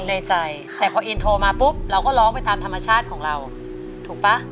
ในใจแต่พออินโทรมาปุ๊บเราก็ร้องไปตามธรรมชาติของเราถูกป่ะ